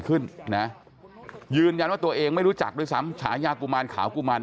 ขึ้นนะยืนยันว่าตัวเองไม่รู้จักด้วยซ้ำฉายากุมารขาวกุมาร